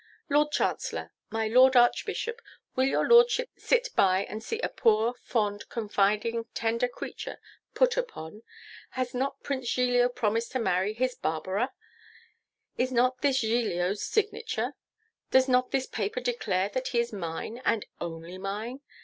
Lord Chancellor! my Lord Archbishop! will your Lordships sit by and see a poor, fond, confiding, tender creature put upon? Has not Prince Giglio promised to marry his Barbara? Is not this Giglio's signature? Does not this paper declare that he is mine, and only mine?